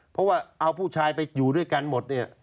เพราะว่าเอาผู้ชายไปอยู่ด้วยกันหมดเนี่ย